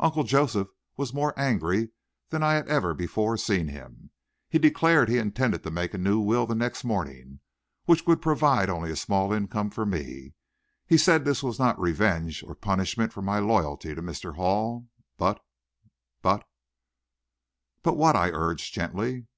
Uncle Joseph was more angry than I had ever before seen him. He declared he intended to make a new will the next morning, which would provide only a small income for me. He said this was not revenge or punishment for my loyalty to Mr. Hall, but but " "But what?" I urged gently.